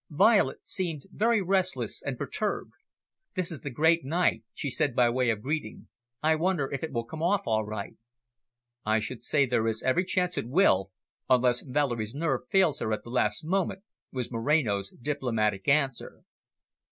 Violet seemed very restless and perturbed. "This is the great night," she said by way of greeting. "I wonder if it will come off all right." "I should say there is every chance it will, unless Valerie's nerve fails her at the last moment," was Moreno's diplomatic answer.